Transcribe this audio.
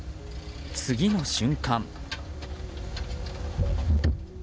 次の瞬間。